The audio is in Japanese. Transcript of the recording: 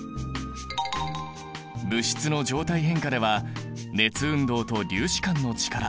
物質の状態変化では熱運動と粒子間の力